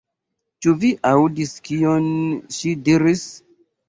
Ĉu vi aŭdis kion ŝi diris?